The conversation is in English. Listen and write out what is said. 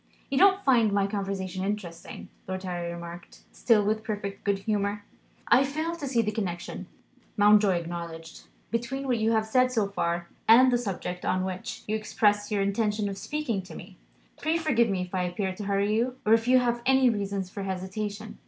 "You don't find my conversation interesting?" Lord Harry remarked, still with perfect good humour. "I fail to see the connection," Mountjoy acknowledged, "between what you have said so far, and the subject on which you expressed your intention of speaking to me. Pray forgive me if I appear to hurry you or if you have any reasons for hesitation."